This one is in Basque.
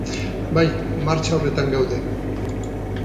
Bai, martxa horretan gaude.